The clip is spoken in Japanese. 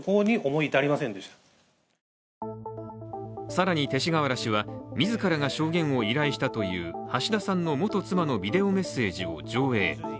更に勅使河原氏は自らが証言を依頼したという橋田さんの元妻のビデオメッセージを上映。